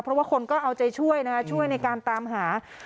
เพราะว่าคนก็เอาใจช่วยนะคะช่วยในการตามหา